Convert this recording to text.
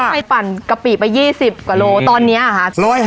ไปปั่นกะปิไป๒๐กว่าโลตอนนี้เหรอคะ